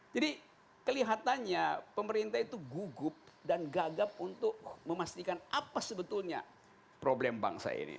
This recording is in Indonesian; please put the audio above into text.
jadi kelihatannya pemerintah itu gugup dan gagap untuk memastikan apa sebetulnya problem bangsa ini